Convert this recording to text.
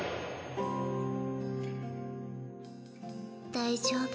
大丈夫。